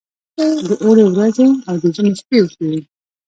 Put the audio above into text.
د اوړي ورځې او د ژمي شپې اوږې وي.